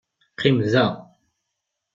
Qqim da!